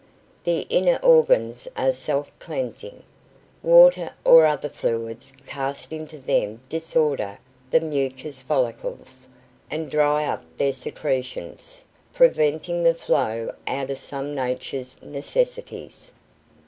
The inner organs are self cleansing. Water or other fluids cast into them disorder the mucous follicles, and dry up their secretions, preventing the flowing out of some of Nature's necessities.